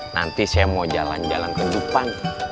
nanti saya mau jalan jalan ke jepang